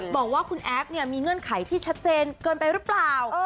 บอกว่าคุณแอฟเนี่ยมีเงื่อนไขที่ชัดเจนเกินไปหรือเปล่า